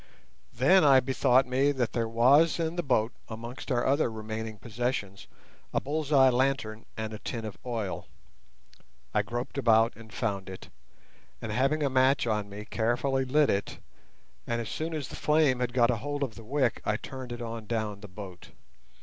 Then I bethought me that there was in the boat, amongst our other remaining possessions, a bull's eye lantern and a tin of oil. I groped about and found it, and having a match on me carefully lit it, and as soon as the flame had got a hold of the wick I turned it on down the boat.